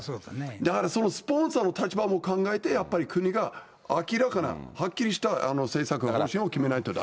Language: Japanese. だからそのスポンサーの立場も考えて、やっぱり国が明らかな、はっきりした政策を決めないと。